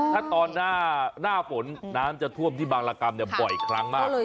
ถ้าตอนหน้าฝนน้ำจะท่วมที่บางรกรรมบ่อยครั้งมาก